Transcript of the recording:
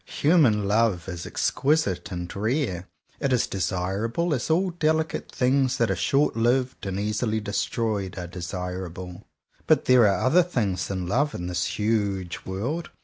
Human love is exquisite and rare. It is desirable, as all delicate things that are short lived and easily destroyed are desir able. But there are other things than love in this huge world.